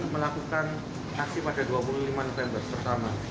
melakukan aksi pada dua puluh lima november pertama